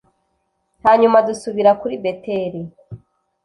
hanyuma dusubira kuri beteli